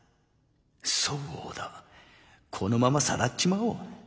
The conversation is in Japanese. そうだこのままさらっちまおう。